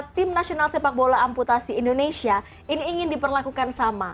tim nasional sepak bola amputasi indonesia ini ingin diperlakukan sama